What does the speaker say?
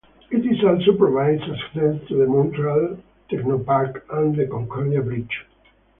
It also provides access to the Montreal Technoparc and the Concordia Bridge.